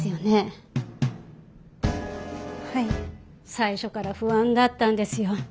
最初から不安だったんですよ。